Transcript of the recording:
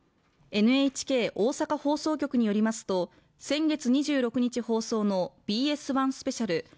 ＮＨＫ大阪放送局によりますと先月２６日放送のＢＳ１スペシャル